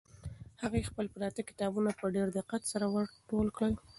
هغې خپل پراته کتابونه په ډېر دقت سره ور ټول کړل.